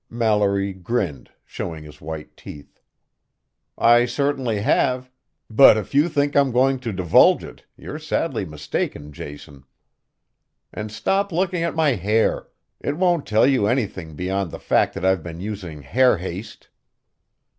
Mallory grinned, showing his white teeth. "I certainly have, but if you think I'm going to divulge it, you're sadly mistaken, Jason. And stop looking at my hair it won't tell you anything beyond the fact that I've been using Hair haste.